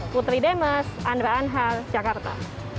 putri demes andra anhar jakarta